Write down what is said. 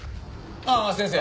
ああ先生。